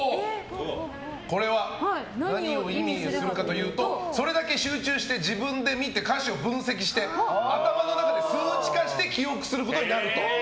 何を意味するかというとそれだけ集中して自分で見て歌手を分析して頭の中で数値化して記憶することになると。